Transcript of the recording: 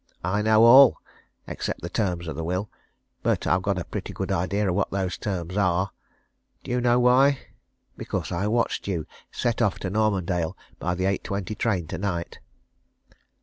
I know all! except the terms of the will. But I've a pretty good idea of what those terms are. Do you know why? Because I watched you set off to Normandale by the eight twenty train tonight!"